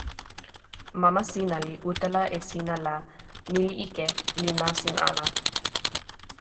mama sina li utala e sina la, ni li ike, li nasin ala.